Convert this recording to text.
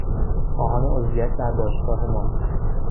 خواهان عضویت در باشگاه ما